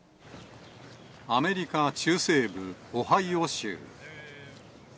アメリカ中西部オハイオ州。